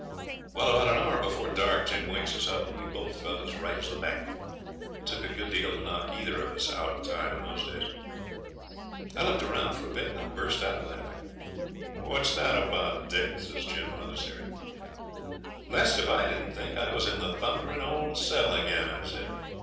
Well, about an hour before dark Jim wakes us up, and we both felt as right as the bank. It took a good deal to knock either of us out of time in those days. I looked round for a bit and then burst out laughing. 'What's that about, Dick?' says Jim, rather serious. 'Blest if I didn't think I was in the thundering old cell again,' I said.